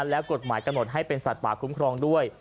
และกฎหมายกำหนดให้เป็นสัตว์ป่าคุ้มครองด้วย